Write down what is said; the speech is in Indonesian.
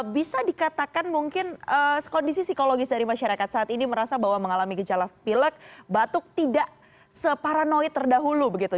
bisa dikatakan mungkin kondisi psikologis dari masyarakat saat ini merasa bahwa mengalami gejala pilek batuk tidak separanoid terdahulu begitu